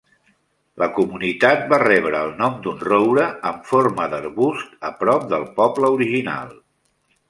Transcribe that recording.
La comunitat va rebre el nom d'un roure amb forma d'arbust a prop del poble original.